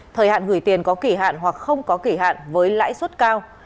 thời hạn gửi tiền có kỷ hạn hoặc không có kỷ hạn với lãi suất cao